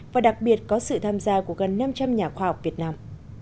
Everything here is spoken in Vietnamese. và đặc biệt có sự tham gia của gần năm trăm linh nhà khoa học việt nam